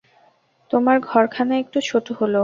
তোমার ঘরখানা একটু ছোট হল।